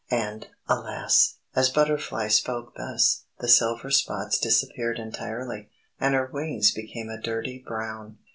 And, alas! as Butterfly spoke thus, the silver spots disappeared entirely, and her wings became a dirty brown.